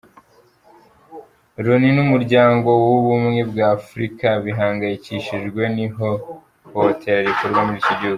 Loni n’Umuryango w’Ubumwe bwa Afurika bihangayikishijwe n’ihohoera rikorwa muri icyo gihgu.